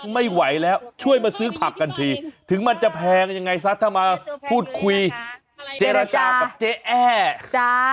ไม่ไหวแล้วช่วยมาซื้อผักกันทีถึงมันจะแพงยังไงซะถ้ามาพูดคุยเจรจากับเจ๊แอ้จ้า